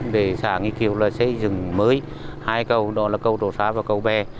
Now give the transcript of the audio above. để xã nghi kiều xây dựng mới hai cầu đó là cầu trộ sa và cầu bè